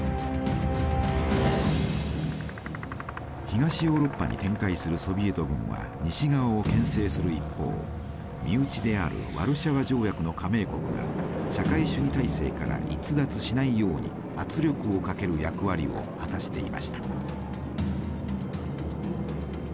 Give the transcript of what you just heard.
東ヨーロッパに展開するソビエト軍は西側を牽制する一方身内であるワルシャワ条約の加盟国が社会主義体制から逸脱しないように圧力をかける役割を果たしていました。